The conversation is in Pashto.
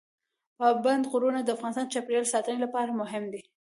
پابندي غرونه د افغانستان د چاپیریال ساتنې لپاره مهم دي.